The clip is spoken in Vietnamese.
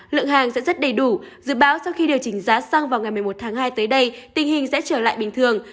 lượng hàng sẽ rất đầy đủ dự báo sau khi điều chỉnh giá xăng vào ngày một mươi một tháng hai tới đây tình hình sẽ trở lại bình thường